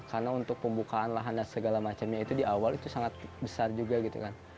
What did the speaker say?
karena untuk pembukaan lahan dan segala macamnya itu di awal itu sangat besar juga gitu kan